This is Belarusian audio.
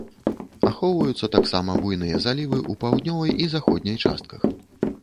Ахоўваюцца таксама буйныя залівы ў паўднёвай і заходняй частках.